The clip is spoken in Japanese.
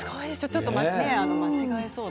ちょっと間違えそう。